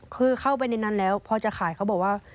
คือเข้าไปในนั้นแล้วพอจะขายเขาบอกว่า